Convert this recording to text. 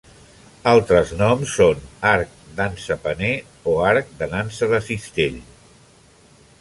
Altres noms són arc d'ansa-paner o arc de nansa de cistell.